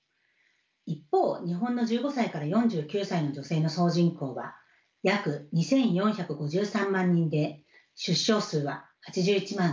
一方日本の１５歳から４９歳の女性の総人口は約２，４５３万人で出生数は８１万１，６００人。